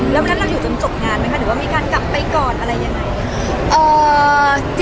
เรามาทั้งนั้นจนจบงานมั้ยค่ะหรือว่ามีขั้นกลับไปก่อนอะไรยังไง